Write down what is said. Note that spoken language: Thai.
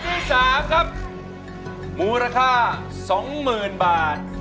เพลงที่๓ครับมูลค่า๒หมื่นบาท